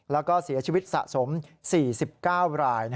แล้วก็เสียชีวิตสะสม๔๙ราย